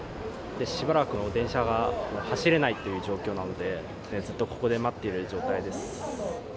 しばらく電車が走れないっていう状況なので、ずっとここで待っている状態です。